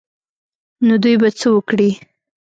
نو دوى به څه وکړي.